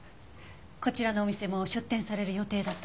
こちらのお店も出店される予定だったんですか？